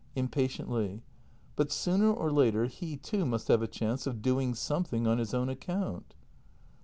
[Impatiently.] But sooner or later he, too, must have a chance of doing something on his own account.